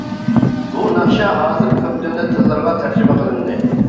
بۇ ناخشا ھازىر كۆپ دۆلەت تىللىرىغا تەرجىمە قىلىندى.